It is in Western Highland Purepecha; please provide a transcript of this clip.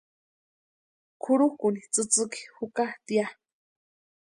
Kʼurhukʼuni tsïtsïki jukatʼia.